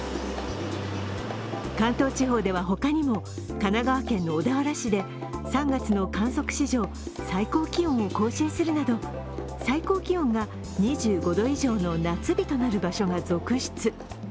関東地方では、ほかにも神奈川県の小田原市で３月の観測史上最高気温を更新するなど最高気温が２５度以上の夏日となる場所が続出。